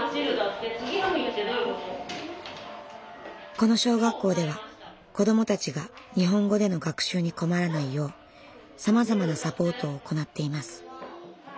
この小学校では子どもたちが日本語での学習に困らないようさまざまなサポートを行っています。